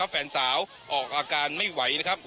แฟนสาวออกอาการไม่ไหวนะครับ